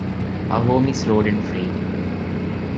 Our home is rodent free.